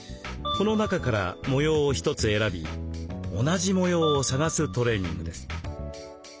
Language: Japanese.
この中から模様を一つ選び同じ模様を探すトレーニングです。